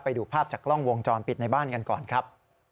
ไปดูภาพจากกล้องวงจรปิดในบ้านกันก่อนครับ